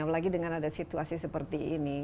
apalagi dengan ada situasi seperti ini